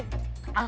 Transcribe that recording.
sanya ada apa halnya